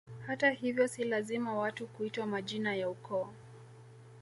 Hata hivyo si lazima watu kuitwa majina ya ukoo